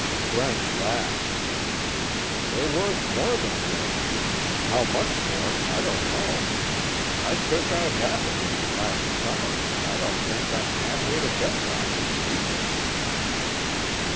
Brent laughed: "They're worth more than a million. How much more I don't know. I took out a half a million last summer, and I don't think I'm half way to bed rock at the deepest."